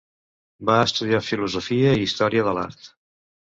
Va estudiar filosofia i història de l'art.